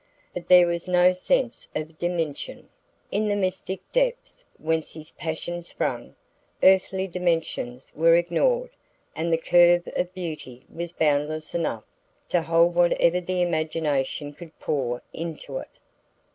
But there was no sense of diminution. In the mystic depths whence his passion sprang, earthly dimensions were ignored and the curve of beauty was boundless enough to hold whatever the imagination could pour into it.